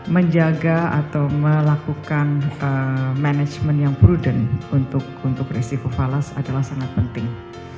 menjaga atau melakukan management yang prudent untuk resiko falas adalah sangat penting